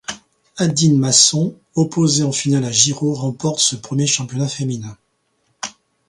Adine Masson opposée en finale à Girod remporte ce premier championnat féminin.